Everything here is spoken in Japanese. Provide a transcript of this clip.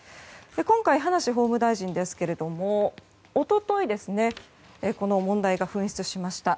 今回、葉梨法務大臣ですけども一昨日、この問題が噴出しました。